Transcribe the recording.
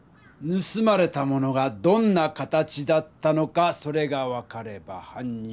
ぬすまれたものがどんな形だったのかそれが分かればはん